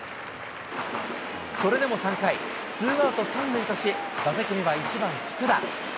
それでも３回、ツーアウト３塁とし、打席には１番福田。